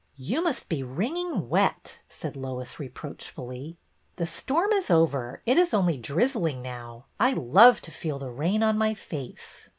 You must be wringing wet," said Lois, reproachfully. The storm is over. It is only drizzling now. I love to feel the rain on my face."